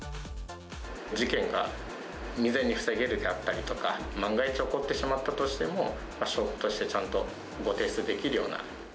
事件が未然に防げるであったりとか、万が一起こってしまったとしても、証拠としてちゃんとご提出できるような。